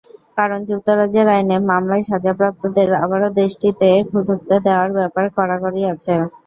কারণ যুক্তরাজ্যের আইনে মামলায় সাজাপ্রাপ্তদের আবারও দেশটিতে ঢুকতে দেওয়ার ব্যাপারে কড়াকড়ি আছে।